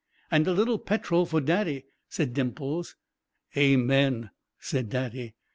"And a little petrol for Daddy," said Dimples. "Amen!" said Daddy.